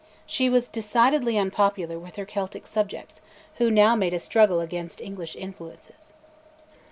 She was decidedly unpopular with her Celtic subjects, who now made a struggle against English influences.